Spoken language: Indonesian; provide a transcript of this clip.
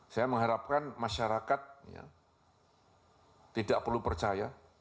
saya mengharapkan masyarakat tidak perlu percaya